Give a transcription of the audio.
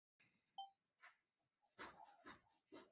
雷南人口变化图示